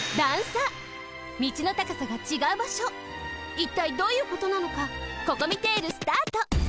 いったいどういうことなのかココミテールスタート！